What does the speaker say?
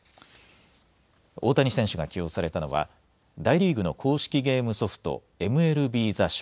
大谷選手が起用されたのは大リーグの公式ゲームソフト、ＭＬＢＴｈｅＳＨＯＷ。